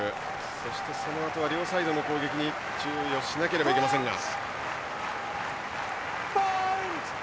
そして、そのあとは両サイドの攻撃に注意をしなければいけませんが。